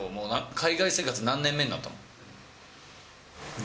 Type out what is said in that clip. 海外生活何年目になったの？